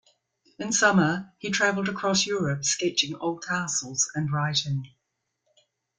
In summer, he traveled across Europe sketching old castles and writing.